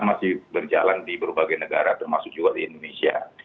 masih berjalan di berbagai negara termasuk juga di indonesia